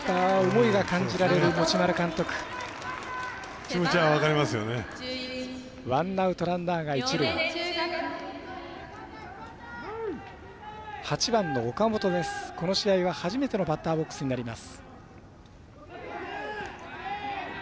この試合は初めてのバッターボックスになります。